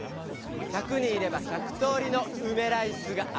１００人いれば１００通りの「うめラいス」があるよ。